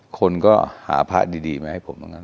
คนก็หาภาคดีมาให้ผม